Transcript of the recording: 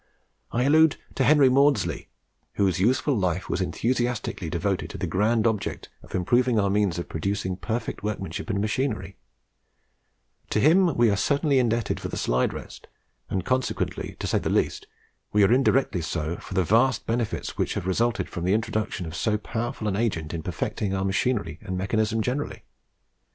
I allude to Henry Maudslay, whose useful life was enthusiastically devoted to the grand object of improving our means of producing perfect workmanship and machinery: to him we are certainly indebted for the slide rest, and, consequently, to say the least, we are indirectly so for the vast benefits which have resulted from the introduction of so powerful an agent in perfecting our machinery and mechanism generally.